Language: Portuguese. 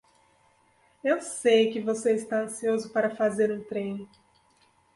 Eu sei que você está ansioso para fazer um trem.